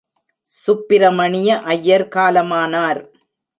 சுப்பிரமணிய ஐயர் காலமானார்.